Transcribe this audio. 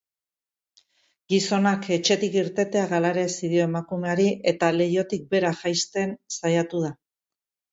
Gizonak etxetik irtetea galarazi dio emakumeari eta leihotik behera jaisten saiatu da.